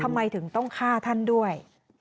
ทำไมถึงต้องฆ่าท่านด้วย